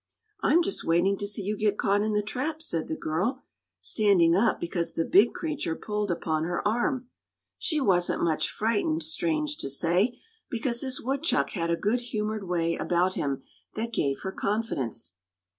"I'm just waiting to see you get caught in the trap," said the girl, standing up because the big creature pulled upon her arm. She wasn't much frightened, strange to say, because this woodchuck had a good humored way about him that gave her confidence.